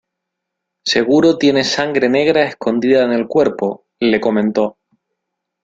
Seguro tienes sangre negra escondida en el cuerpo", le comentó.